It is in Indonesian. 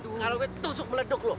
aduh nyalah gue tusuk meleduk lo